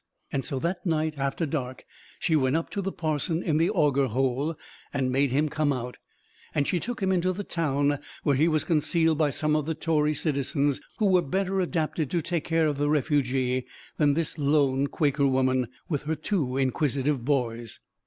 And so that night, after dark, she went up to the parson in the "Auger Hole," and made him come out; and she took him into the town, where he was concealed by some of the Tory citizens, who were better adapted to take care of the refugee than this lone Quaker woman with her two inquisitive boys.